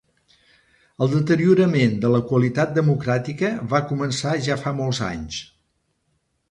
El deteriorament de la qualitat democràtica va començar ja fa molts anys.